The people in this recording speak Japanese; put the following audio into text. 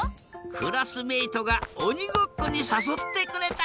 クラスメートがおにごっこにさそってくれた。